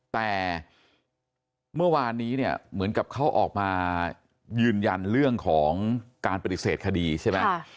แต่เมื่อวานนี้เนี่ยเหมือนกับเขาออกมายืนยันเรื่องของการปฏิเสธคดีใช่ไหม